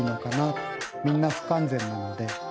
みんな不完全なので。